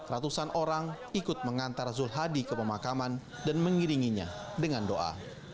ratusan orang ikut mengantar zul hadi ke pemakaman dan mengiringinya dengan doa